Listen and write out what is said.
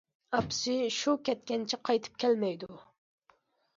ئاپىسى شۇ كەتكەنچە قايتىپ كەلمەيدۇ.